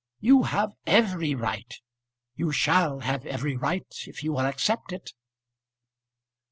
"You have every right. You shall have every right if you will accept it.